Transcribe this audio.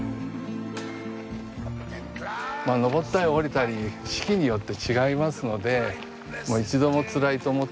登ったり下りたり四季によって違いますので一度もつらいと思ったこともないですね。